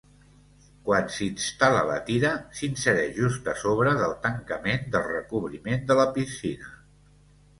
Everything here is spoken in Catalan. Quan s'instal·la la tira, s'insereix just a sobre del tancament del recobriment de la piscina.